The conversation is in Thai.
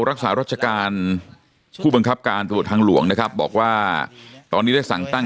รักษารัชการผู้บังคับการตรวจทางหลวงนะครับบอกว่าตอนนี้ได้สั่งตั้ง